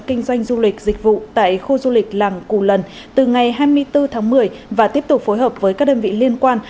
kinh doanh du lịch dịch vụ tại khu du lịch làng cù lần từ ngày hai mươi bốn tháng một mươi và tiếp tục phối hợp với các đơn vị liên quan